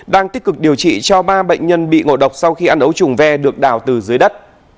đang tích cực điều trị cho ba bệnh nhân bị ngộ độc sau khi ăn ấu trùng ve được đào từ dưới đất